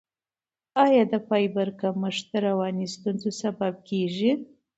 آیا د فایبر کمښت د رواني ستونزو سبب کیږي؟